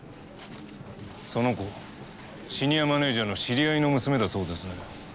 その子シニアマネージャーの知り合いの娘だそうですね。